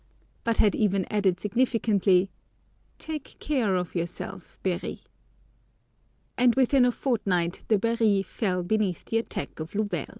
but had even added significantly, "Take care of yourself, Berry!" And within a fortnight De Berry fell beneath the attack of Louvel.